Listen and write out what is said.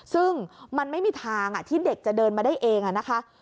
ซึ่งมันไม่มีทางที่เด็กจะเดินมาได้เองนะคะ